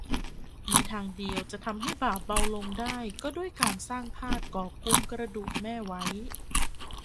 มีทางเดียวจะให้บาปเบาลงได้ก็ด้วยการสร้างธาตุก่อกวมกระดูกแม่ไว้